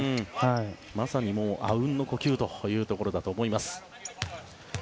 まさにあうんの呼吸というところだと思います。